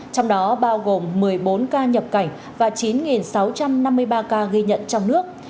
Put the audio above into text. trong đó bao gồm một mươi bốn ca nhập cảnh và chín sáu trăm năm mươi ba ca ghi nhận trong nước